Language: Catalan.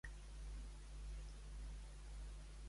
On ha fet aquestes declaracions el periodista?